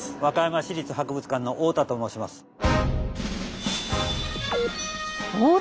和歌山市立博物館の太田と申します。